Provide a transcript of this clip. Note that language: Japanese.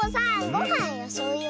ごはんよそうよ。